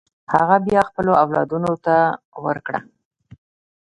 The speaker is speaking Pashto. هغه بیا خپلو اولادونو ته ورکړه.